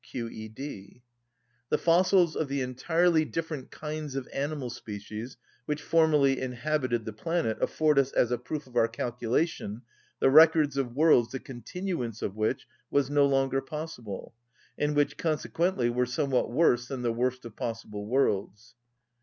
Q. E. D. The fossils of the entirely different kinds of animal species which formerly inhabited the planet afford us, as a proof of our calculation, the records of worlds the continuance of which was no longer possible, and which consequently were somewhat worse than the worst of possible worlds.